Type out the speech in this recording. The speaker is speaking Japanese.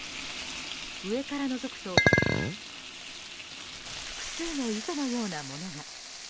上からのぞくと複数の糸のようなものが。